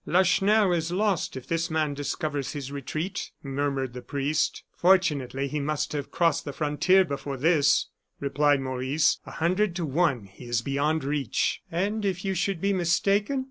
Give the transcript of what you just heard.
"Lacheneur is lost if this man discovers his retreat," murmured the priest. "Fortunately, he must have crossed the frontier before this," replied Maurice. "A hundred to one he is beyond reach." "And if you should be mistaken.